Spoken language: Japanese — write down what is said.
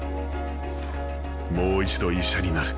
もう一度医者になる。